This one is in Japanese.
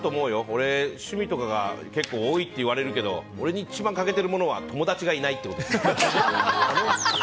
俺は趣味とかが結構多いって言われるけど俺に一番欠けてるものは友達がいないってこと。